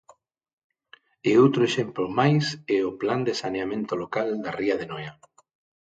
E outro exemplo máis é o Plan de saneamento local da ría de Noia.